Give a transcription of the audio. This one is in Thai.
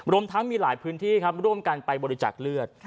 รวมทั้งมีหลายพื้นที่ครับร่วมกันไปบริจาคเลือด